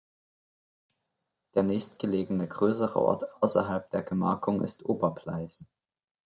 Der nächstgelegene größere Ort außerhalb der Gemarkung ist Oberpleis.